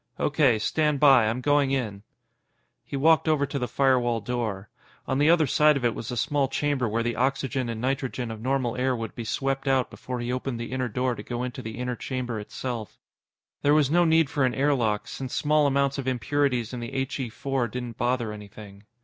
"O.K. Stand by. I'm going in." He walked over to the firewall door. On the other side of it was a small chamber where the oxygen and nitrogen of normal air would be swept out before he opened the inner door to go into the inner chamber itself. There was no need for an air lock, since small amounts of impurities in the He 4 didn't bother anything.